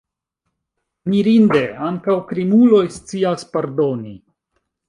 Mirinde, ankaŭ krimuloj scias pardoni!